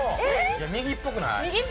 いや右っぽくない？